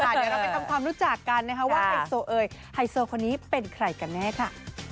เดี๋ยวเราไปทำความรู้จักกันนะคะว่าไฮโซเอยไฮโซคนนี้เป็นใครกันแน่ค่ะ